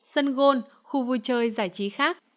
sân gôn khu vui chơi giải trí khác